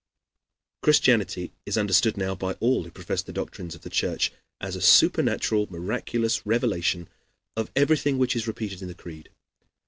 Christianity is understood now by all who profess the doctrines of the Church as a supernatural miraculous revelation of everything which is repeated in the Creed.